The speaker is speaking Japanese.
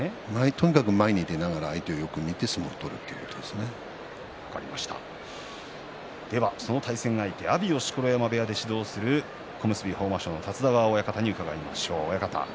とにかく前に出ながら相手をよく見て相撲をその対戦相手、阿炎を錣山部屋で指導する小結豊真将の立田川親方に伺います。